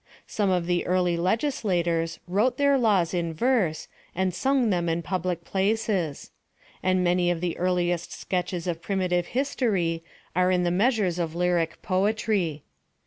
Some of the early legislators wrote their laws in verse, and sung them in public places. And many of the earliest sketches of primitive his tory are in the measures of lyric poetrv.